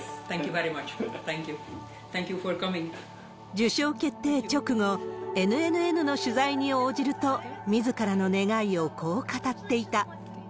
受賞決定直後、ＮＮＮの取材に応じると、みずからの願いをこう語っていた。